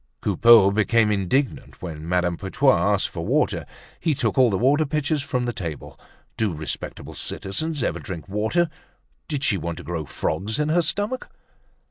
Coupeau became indignant when Madame Putois asked for water. He took all the water pitchers from the table. Do respectable citizens ever drink water? Did she want to grow frogs in her stomach?